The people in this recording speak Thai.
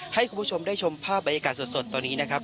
ให้คุณผู้ชมได้ชมภาพบรรยากาศสดตอนนี้นะครับ